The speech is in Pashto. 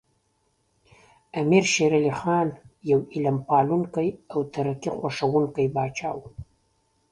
امیر شیر علی خان یو علم پالونکی او ترقي خوښوونکی پاچا و.